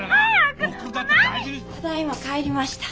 ただいま帰りました。